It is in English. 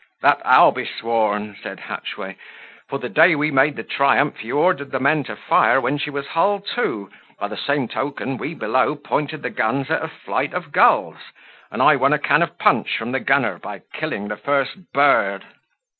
"That I'll be sworn," said Hatchway: "for the day we made the Triumph you ordered the men to fire when she was hull to, by the same token we below pointed the guns at a flight of gulls; and I won a can of punch from the gunner by killing the first bird."